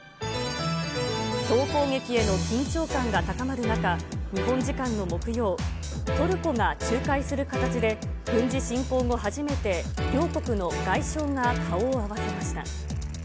総攻撃への緊張感が高まる中、日本時間の木曜、トルコが仲介する形で、軍事侵攻後、初めて両国の外相が顔を合わせました。